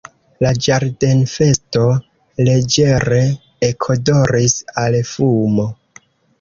La ĝardenfesto leĝere ekodoris al fumo.